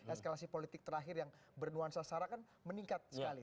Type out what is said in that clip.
eskalasi politik terakhir yang bernuansa sara kan meningkat sekali